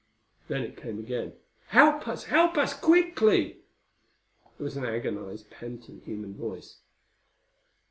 Then it came again. "Help us! Help us, quickly!" It was an agonized, panting, human voice.